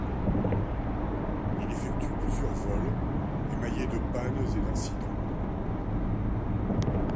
Il effectue plusieurs vols, émaillés de pannes et d'incidents.